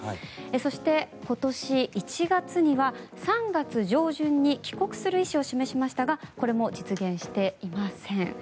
そして、今年１月には３月上旬に帰国する意思を示しましたがこれも実現していません。